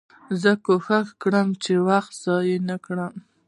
زه کوښښ کوم، چي وخت ضایع نه کړم.